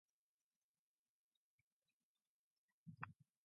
Cargo aircraft represent a small proportion of the overall air freight market.